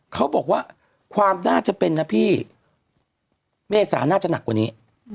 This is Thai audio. เขาบอกว่าความน่าจะเป็นนะพี่เมษาน่าจะหนักกว่านี้